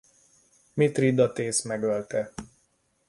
Mithridatész megölte.